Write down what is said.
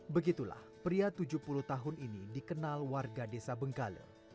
begitulah pria tujuh puluh tahun ini dikenal warga desa bengkale